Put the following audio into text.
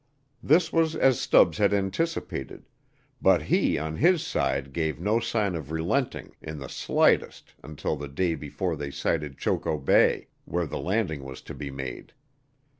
This was as Stubbs had anticipated, but he on his side gave no sign of relenting in the slightest until the day before they sighted Choco Bay, where the landing was to be made.